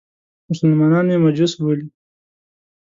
مسلمانان مې مجوس بولي.